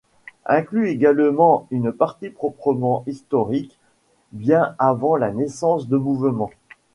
Inclut également une partie proprement historique bien avant la naissance de mouvements.